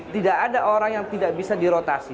tidak ada orang yang tidak bisa dirotasi